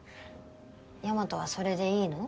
大和はそれでいいの？